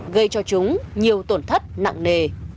gây cho chúng nhiều tổn thất nặng nề